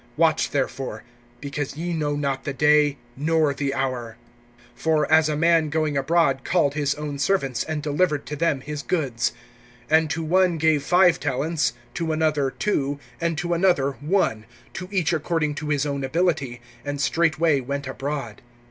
(13)Watch, therefore; because ye know not the day, nor the hour! (14)For as a man going abroad called his own servants, and delivered to them his goods; (15)and to one gave five talents, to another two, and to another one, to each according to his own ability; and straightway went abroad.